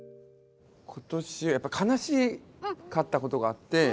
ことしやっぱり悲しかったことがあって。